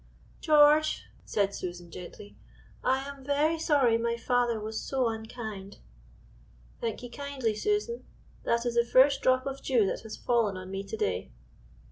"George," said Susan gently, "I am very sorry my father was so unkind." "Thank ye kindly, Susan; that is the first drop of dew that has fallen on me to day."